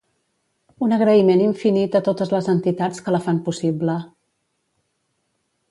Un agraïment infinit a totes les entitats que la fan possible.